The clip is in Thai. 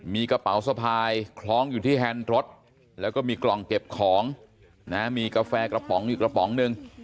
มีกระเป๋าสะพายคล้องอยู่ที่แฮนด์รถแล้วก็มีกล่องเก็บของนะมีกาแฟกระป๋องอยู่กระป๋องหนึ่ง